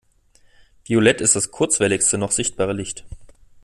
Violett ist das kurzwelligste noch sichtbare Licht.